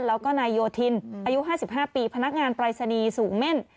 แล้วก็นายโยธินอายุ๕๕ปีพนักงานปรายศนีย์สูงเม่น